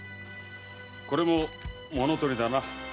これも物盗りだな。